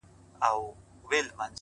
• هغه اوس كډ ه وړي كا بل ته ځي؛